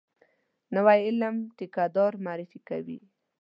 نوی علم ټیکه دار معرفي کوي.